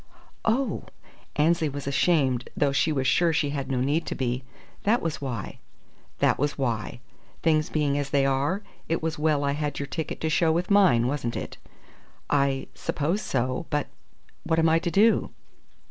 "Oh!" Annesley was ashamed, though she was sure she had no need to be. "That was why!" "That was why. Things being as they are, it was well I had your ticket to show with mine, wasn't it?" "I suppose so. But what am I to do?"